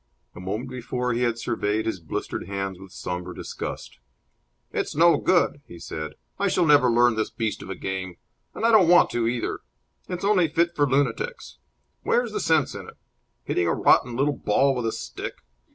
A moment before he had surveyed his blistered hands with sombre disgust. "It's no good," he said. "I shall never learn this beast of a game. And I don't want to either. It's only fit for lunatics. Where's the sense in it? Hitting a rotten little ball with a stick!